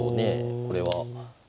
これは。